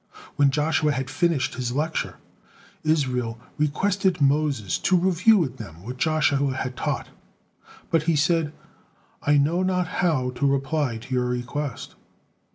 When Joshua had finished his lecture, Israel requested Moses to review with them what Joshua had taught, but he said, "I know not how to reply to your request!"